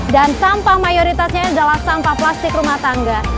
dan sampah mayoritasnya adalah sampah plastik rumah tangga